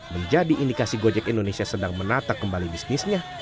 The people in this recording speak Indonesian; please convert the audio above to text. menjadi indikasi gojek indonesia sedang menata kembali bisnisnya